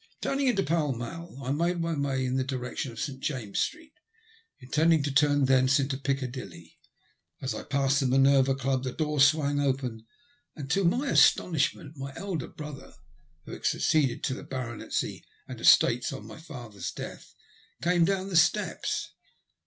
Turning into Fall Mall, I made my way in the direction of St. James's Street, intending to turn thence into Piccadilly. As I passed the Minerva Club the door swung open, and to my astonishment my eldest brother, who had succeeded to the baronetcy and estates on my father's death, came down the steps.